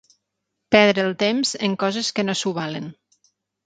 Perdre el temps en coses que no s'ho valen.